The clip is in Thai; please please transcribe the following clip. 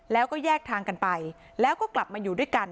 แล้วก็แยกทางกันไปแล้วก็กลับมาอยู่ด้วยกัน